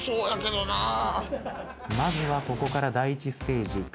まずはここから第１ステージ。